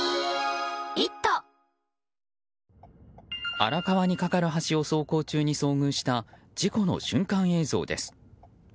荒川に架かる橋を走行中に遭遇した事故の瞬間映像です。